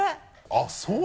あっそう。